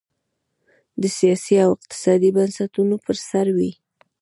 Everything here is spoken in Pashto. د سیاسي او اقتصادي بنسټونو پر سر وې.